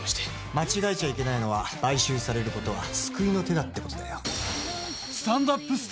間違えちゃいけないのは買収されることは救いの手だってことだよ。